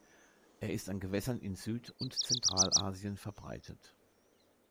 Er ist an Gewässern in Süd- und Zentralasien verbreitet.